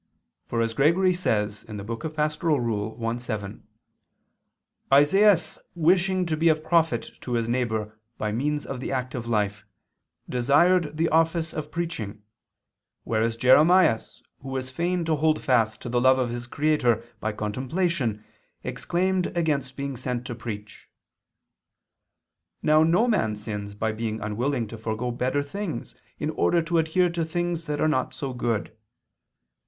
For as Gregory says (Pastor. i, 7), "Isaias wishing to be of profit to his neighbor by means of the active life, desired the office of preaching, whereas Jeremias who was fain to hold fast to the love of his Creator by contemplation exclaimed against being sent to preach." Now no man sins by being unwilling to forgo better things in order to adhere to things that are not so good.